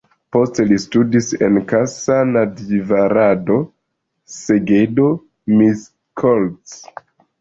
Poste li ludis en Kassa, Nadjvarado, Segedo, Miskolc.